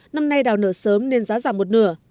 năm nay đào nở sớm nên giá giảm một nửa